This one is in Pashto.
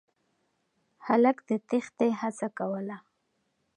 هلک د تېښتې هڅه کوله.